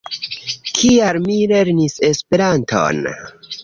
Kial mi lernis Esperanton?